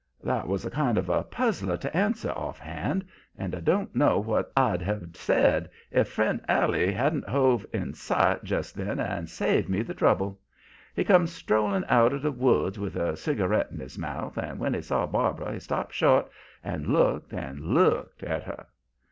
"That was kind of a puzzler to answer offhand, and I don't know what I'd have said if friend Allie hadn't hove in sight just then and saved me the trouble. He come strolling out of the woods with a cigarette in his mouth, and when he saw Barbara he stopped short and looked and looked at her.